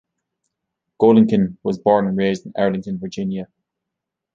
Golinkin was born and raised in Arlington, Virginia.